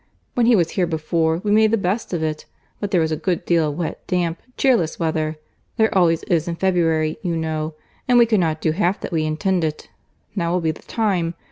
When he was here before, we made the best of it; but there was a good deal of wet, damp, cheerless weather; there always is in February, you know, and we could not do half that we intended. Now will be the time.